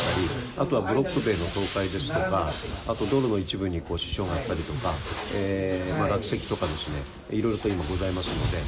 あとはブロック塀の倒壊ですとかあと、道路の一部に支障があったりとか落石とかですねいろいろとございますので。